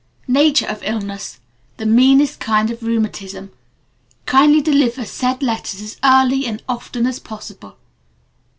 Nature of illness: The meanest kind of rheumatism. Kindly deliver said letters as early and often as possible!